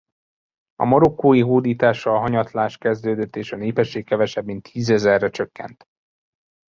A marokkói hódítással hanyatlás kezdődött és a népesség kevesebb mint tízezerre csökkent.